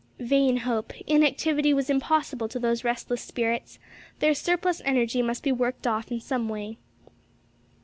Vain hope! inactivity was impossible to those restless spirits: their surplus energy must be worked off in some way.